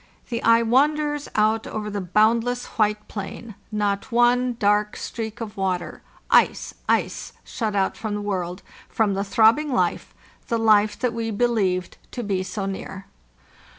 The eye wanders out over the boundless white plain. Not one dark streak of water —1ice, ice!—shut out from the world, from the throbbing life, the life that we believed to be so near.